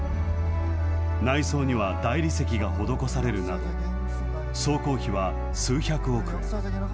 内装には大理石が施されるなど、総工費は数百億円。